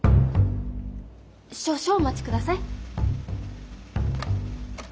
少々お待ちください。